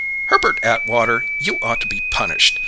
"Herbert Atwater, you ought to be punished!